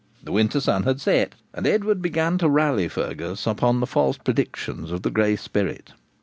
The winter sun had set, and Edward began to rally Fergus upon the false predictions of the Grey Spirit.